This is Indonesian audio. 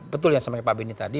betul yang semangat pak bini tadi